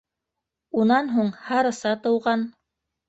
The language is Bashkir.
Унан һуң Һарыса тыуған!